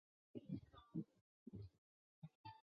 阿贡当日人口变化图示